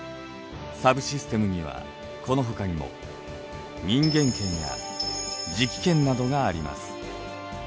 サブシステムにはこのほかにも人間圏や磁気圏などがあります。